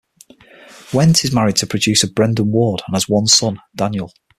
Wendt is married to producer Brendan Ward and has one son, Daniel.